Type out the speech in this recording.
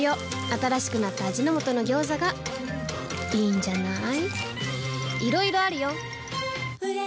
新しくなった味の素の「ギョーザ」がいいんじゃない？